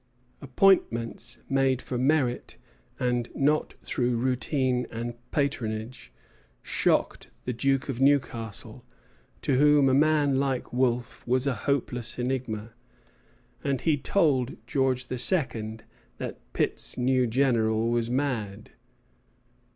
Appointments made for merit, and not through routine and patronage, shocked the Duke of Newcastle, to whom a man like Wolfe was a hopeless enigma; and he told George II. that Pitt's new general was mad.